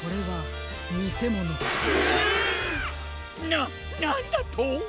ななんだと！？